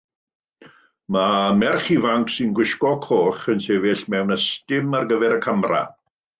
Mae merch ifanc sy'n gwisgo coch yn sefyll mewn ystum ar gyfer y camera.